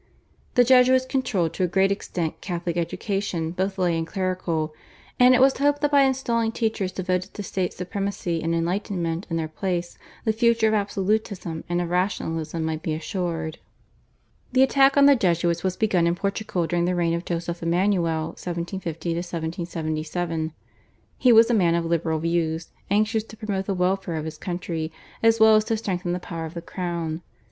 The Jesuits controlled to a great extent Catholic education both lay and clerical, and it was hoped that by installing teachers devoted to state supremacy and Enlightenment in their place the future of absolutism and of rationalism might be assured. The attack on the Jesuits was begun in Portugal during the reign of Joseph Emmanuel (1750 1777). He was a man of liberal views, anxious to promote the welfare of his country, as well as to strengthen the power of the crown.